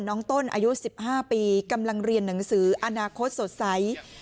น้องต้นอายุสิบห้าปีกำลังเรียนหนังสืออนาคตสดใส